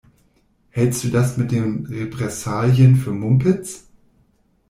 Hältst du das mit den Repressalien für Mumpitz?